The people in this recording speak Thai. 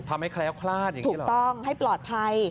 ทำให้แคล้วคลาดอย่างนี้หรอถูกต้องให้ปลอดภัย